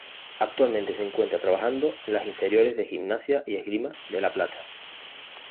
Actualmente se encuentra trabajando en las inferiores de Gimnasia y Esgrima De La Plata.